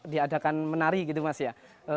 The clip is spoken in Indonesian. diadakan menari gitu mas ya